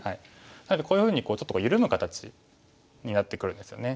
なのでこういうふうにちょっと緩む形になってくるんですよね。